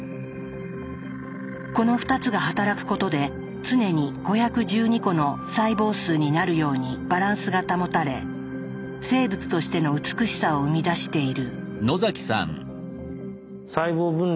この２つが働くことで常に５１２個の細胞数になるようにバランスが保たれ生物としての美しさを生み出している。